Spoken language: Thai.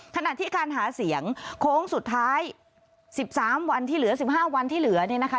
ขณะที่การหาเสียงโค้งสุดท้าย๑๓วันที่เหลือ๑๕วันที่เหลือเนี่ยนะคะ